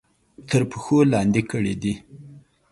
تر پښو لاندې کړي دي.